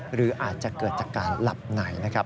หรืออาจจะเกิดจากการหลับไหนนะครับ